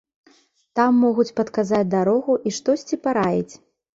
Там могуць падказаць дарогу і штосьці параіць.